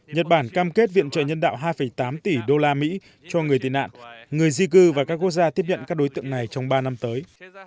nhật bản cam kết viện trợ nhân đạo hai tám tỷ đô la mỹ cho người tị nạn người di cư và các quốc gia tiếp nhận các đối tượng này trong ba năm tới